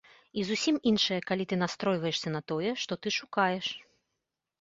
І зусім іншая, калі ты настройваешся на тое, што ты шукаеш.